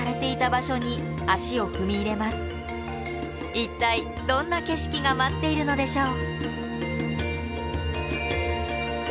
一体どんな景色が待っているのでしょう。